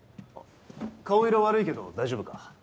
顔色悪いけど大丈夫か？